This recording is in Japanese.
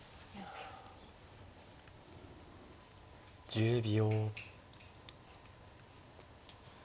１０秒。